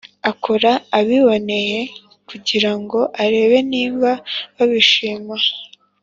Akora abiboneye kugira ngo arebe niba babishima